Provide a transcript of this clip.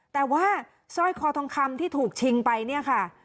แต่ว่าสร้อยคอทองคำที่ถูกชิงไปเนี่ยค่ะ